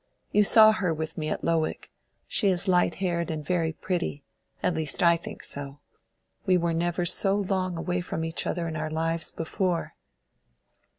You saw her with me at Lowick: she is light haired and very pretty—at least I think so. We were never so long away from each other in our lives before.